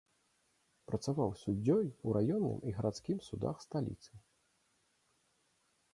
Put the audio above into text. Працаваў суддзёй у раённым і гарадскім судах сталіцы.